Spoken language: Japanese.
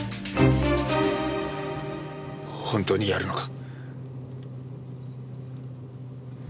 本当にやるのか？